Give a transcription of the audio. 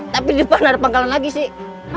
tapi di depan ada pangkalan lagi sih